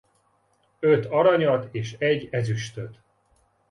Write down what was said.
Öt aranyat és egy ezüstöt.